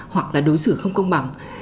hoặc là đối xử không công bằng